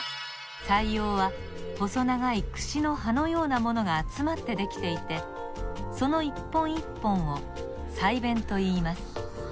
鰓葉は細長いくしの歯のようなものがあつまってできていてこの一本一本を鰓弁といいます。